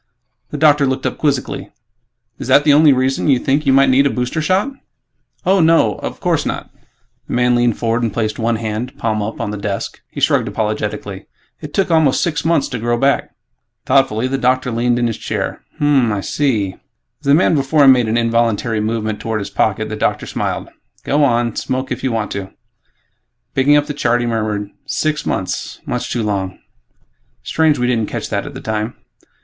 The doctor looked up quizzically, "Is that the only reason you think you might need a booster shot?" "Oh, no ... of course not!" The man leaned forward and placed one hand, palm up, on the desk. "Last year I had an accident ... stupid ... lost a thumb." He shrugged apologetically, "It took almost six months to grow back." Thoughtfully, the doctor leaned back in his chair, "Hm m m ... I see." As the man before him made an involuntary movement toward his pocket, the doctor smiled, "Go on, smoke if you want to." Picking up the chart, he murmured, "Six months ... much too long. Strange we didn't catch that at the time."